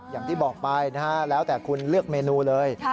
อย่างที่บอกไปนะฮะแล้วแต่คุณเลือกเมนูเลย